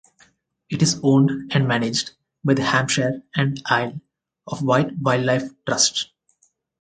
It is owned and managed by the Hampshire and Isle of Wight Wildlife Trust.